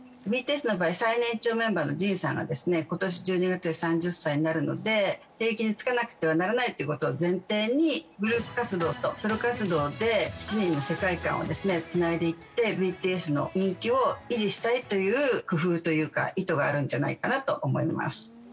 ＢＴＳの場合、最年長メンバーのＪＩＮさんが、ことし１２月で３０歳になるので、兵役に就かなくてはならないということを前提に、グループ活動とソロ活動で、７人の世界観をつないでいって、ＢＴＳの人気を維持したいという工夫というか、意図があるんじゃないかなと思い